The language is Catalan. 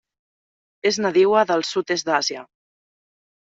És nadiua del sud-est d'Àsia.